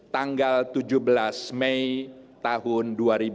tanggal tujuh belas mei tahun dua ribu delapan belas